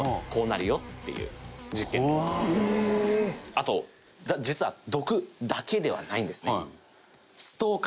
あと実は毒だけではないんですね。